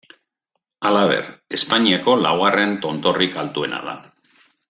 Halaber, Espainiako laugarren tontorrik altuena da.